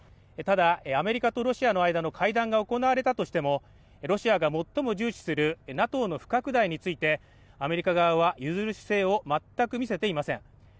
ただアメリカとロシアの間の会談が行われたとしてもロシアが最も重視するＮＡＴＯの拡大についてアメリカ側は譲る姿勢を全く見せていません